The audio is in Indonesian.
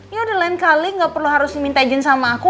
ya udah lain kali gak perlu harus minta izin sama aku